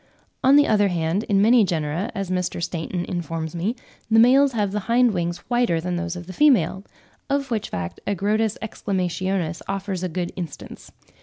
On the other hand, in many genera, as Mr. Stainton informs me, the males have the hind wings whiter than those of the female—of which fact Agrotis exclamationis offers a good instance.